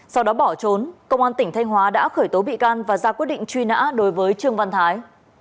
sau đó bỏ trốn công an tỉnh thanh hóa đã khởi tố bị can và ra quyết định truy nã đối với trương văn thái